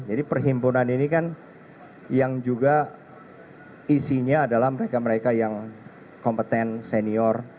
jadi perhimpunan ini kan yang juga isinya adalah mereka mereka yang kompeten senior